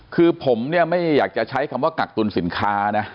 คือผมเนี่ยไม่อยากจะใช้คำว่ากักตุลสินค้านะ